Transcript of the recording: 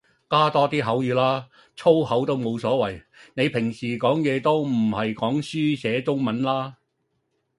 加多啲口語啦，粗口都冇所謂，你平時講嘢都唔係講書寫中文啦